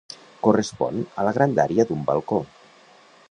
Correspon a la grandària d'un balcó.